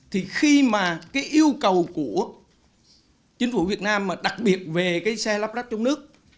thì khi mà cái yêu cầu của chính phủ việt nam mà đặc biệt về cái xe lắp ráp trong nước